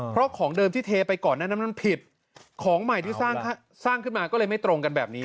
เพราะของเดิมที่เทไปก่อนหน้านั้นมันผิดของใหม่ที่สร้างขึ้นมาก็เลยไม่ตรงกันแบบนี้